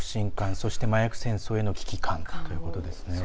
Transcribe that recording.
そして麻薬戦争への危機感ということですね。